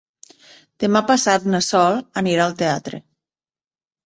Demà passat na Sol anirà al teatre.